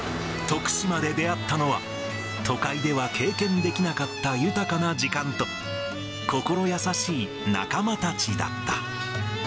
徳島で出会ったのは、都会では経験できなかった豊かな時間と、心優しい仲間たちだった。